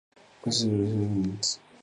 Convencionalmente se le relaciona con Linz.